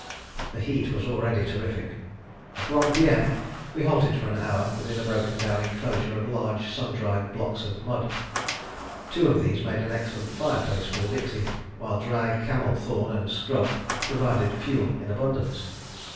The heat was already terrific. At 1 P.M. we halted for an hour within a broken down enclosure of large sun dried blocks of mud. Two of these made an excellent fireplace for the dixie, while dry camel thorn and scrub provided fuel in abundance.